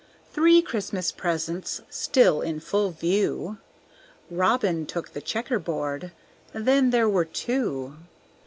Three Christmas presents still in full view; Robin took the checker board, then there were two.